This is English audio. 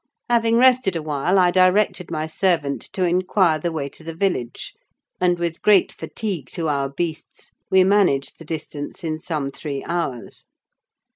Having rested awhile, I directed my servant to inquire the way to the village; and, with great fatigue to our beasts, we managed the distance in some three hours.